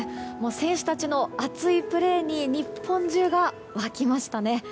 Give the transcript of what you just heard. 選手たちの熱いプレーに日本中が沸きましたね。